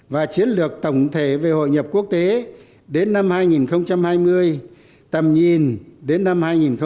và chiến lược tổng thể về hội nhập quốc tế đến năm hai nghìn hai mươi tầm nhìn đến năm hai nghìn ba mươi